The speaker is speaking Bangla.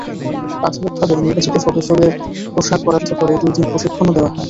প্রাথমিকভাবে নির্বাচিত সদস্যদের পোশাক বরাদ্দ করে দুই দিন প্রশিক্ষণও দেওয়া হয়।